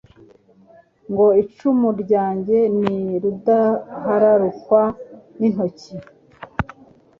Ngo icumu lyanjye ni rudahararukwa n'intoki.